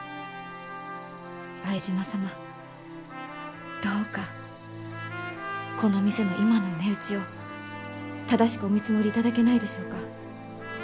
相島様どうかこの店の今の値打ちを正しくお見積もりいただけないでしょうか？